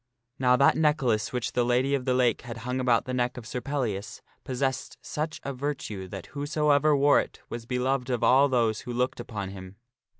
Now that necklace which the Lady of the Lake had hung about the neck of Sir Pellias possessed such a virtue that whosoever wore it was be loved of all those who looked upon him.